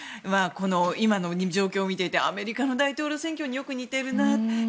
今の状況を見ていてアメリカの大統領選挙によく似ているな。